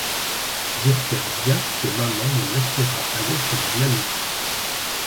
J’espère bien que maman me laissera aller chez mon amie.